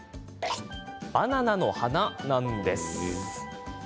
バナナの花なんです。